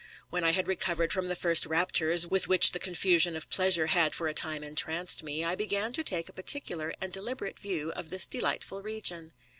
When I had recovered from the first raptures, with which the confusion of pleasure had for a time entranced me, I began to take a particular and deliberate view of this delightful region.